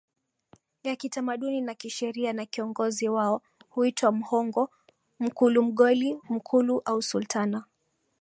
ya kitamaduni na kisheria na kiongozi wao huitwa Mghongo MkuluMgoli Mkulu au Sultana